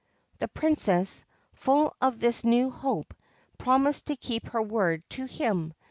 The Princess, full of this new hope, promised to keep her word to him.